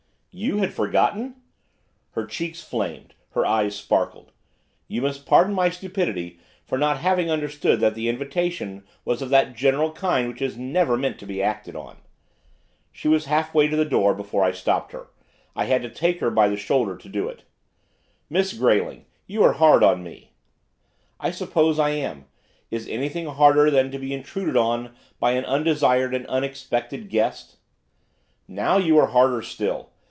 'You had forgotten?' Her cheeks flamed; her eyes sparkled. 'You must pardon my stupidity for not having understood that the invitation was of that general kind which is never meant to be acted on.' She was half way to the door before I stopped her, I had to take her by the shoulder to do it. 'Miss Grayling! You are hard on me.' 'I suppose I am. Is anything harder than to be intruded on by an undesired, and unexpected, guest?' 'Now you are harder still.